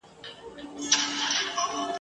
د دیویانو لمانځنځایونه په واک او زور سره وتړل سوا